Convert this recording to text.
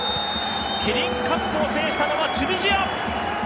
キリンカップを制したのはチュニジア！